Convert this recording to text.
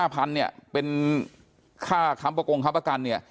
ตรงแต่ก่อน๕๐๐๐เป็นค่าครับประกรงครับประกัน